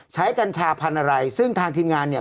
กัญชาพันธุ์อะไรซึ่งทางทีมงานเนี่ย